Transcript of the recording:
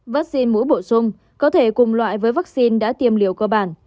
vaccine mũi bổ sung có thể cùng loại với vaccine đã tiêm liều cơ bản